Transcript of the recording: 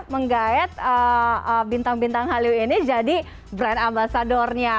menggayat bintang bintang hallyu ini jadi brand ambasadornya